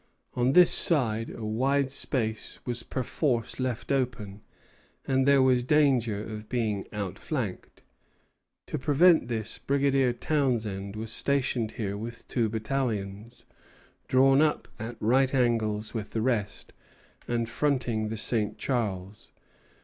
On this side a wide space was perforce left open, and there was danger of being outflanked. To prevent this, Brigadier Townshend was stationed here with two battalions, drawn up at right angles with the rest, and fronting the St. Charles.